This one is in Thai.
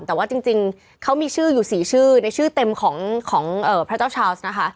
แต่ว่าจริงเขามีชื่ออยู่๔ชื่อในชื่อเต็มของพระเจ้าชาวส์นะคะ